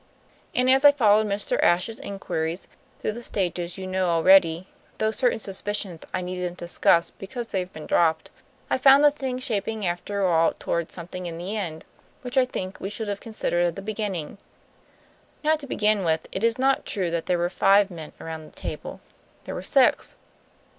And as I followed Mr. Ashe's inquiries through the stages you know already, through certain suspicions I needn't discuss because they've been dropped, I found the thing shaping after all toward something, in the end, which I think we should have considered at the beginning. Now, to begin with, it is not true that there were five men round the table. There were six."